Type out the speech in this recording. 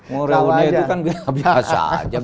mau reuni itu kan biasa